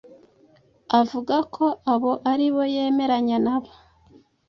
Avuga ko abo ari bo yemeranya na bo,